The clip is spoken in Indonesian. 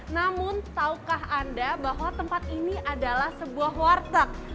namun tahukah anda bahwa tempat ini adalah sebuah warteg